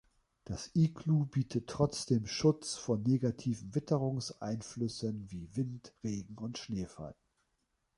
Das Iglu bietet trotzdem Schutz vor negativen Witterungseinflüssen wie Wind, Regen und Schneefall.